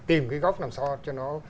tìm cái góc làm sao cho nó